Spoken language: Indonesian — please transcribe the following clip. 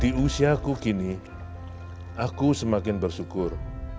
di usia ku kini aku semakin bersyukur